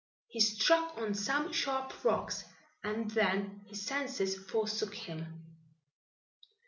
He struck on some sharp rocks, and then his senses forsook him.